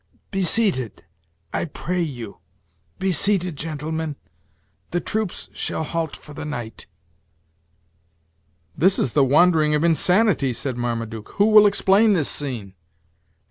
Be seated I pray you, be seated, gentlemen. The troops shall halt for the night." "This is the wandering of insanity!" said Marmaduke: "who will explain this scene."